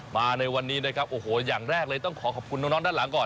มาในวันนี้นะครับโอ้โหอย่างแรกเลยต้องขอขอบคุณน้องด้านหลังก่อน